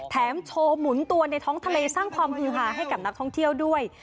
แถมโชว์หมุนตัวในท้องทะเลสร้างความฮือฮาให้กับนักท่องเที่ยวด้วย